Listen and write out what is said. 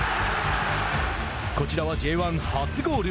こちらはＪ１初ゴール。